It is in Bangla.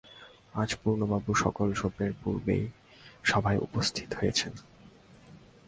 আজ পূর্ণবাবু সকল সভ্যের পূর্বেই সভায় উপস্থিত হয়েছেন।